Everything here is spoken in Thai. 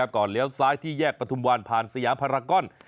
เลี้ยวซ้ายที่แยกประทุมวันผ่านสยามภารกร